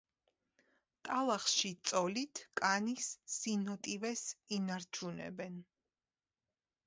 ტალახში წოლით კანის სინოტივეს ინარჩუნებენ.